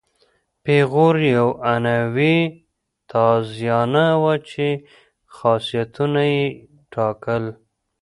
پیغور یوه عنعنوي تازیانه وه چې خاصیتونه یې ټاکل.